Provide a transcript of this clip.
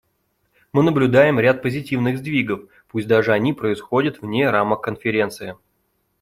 Мы наблюдаем ряд позитивных сдвигов, пусть даже они происходят вне рамок Конференции.